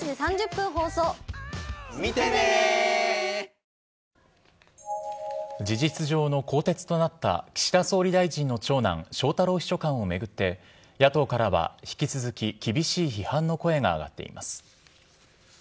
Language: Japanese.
ただ公明党内には、事実上の更迭となった、岸田総理大臣の長男、翔太郎秘書官を巡って、野党からは引き続き厳しい批判の声が上がっています。